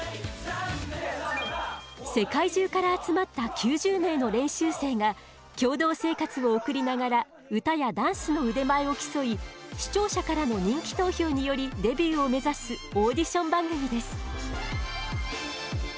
世界中から集まった９０名の練習生が共同生活を送りながら歌やダンスの腕前を競い視聴者からの人気投票によりデビューを目指すオーディション番組です。